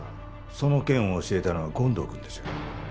その件を教えたのは権藤くんですよ。